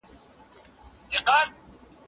ایا ته په خپله موضوع کي کوم بل ماخذ لرې؟